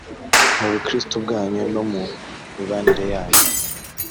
mu bukristubwanyu no mu mibanire yanyu